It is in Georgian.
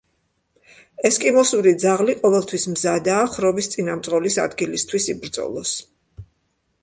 ესკიმოსური ძაღლი ყოველთვის მზადაა ხროვის წინამძღოლის ადგილისთვის იბრძოლოს.